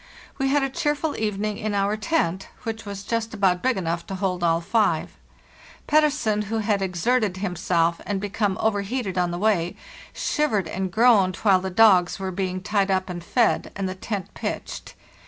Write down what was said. We had a cheerful evening in our tent, which was just about big enough to hold all five. Pettersen, who had exerted himself and become over heated on the way, shivered and groaned while the dogs were being tied up and fed, and the tent pitched.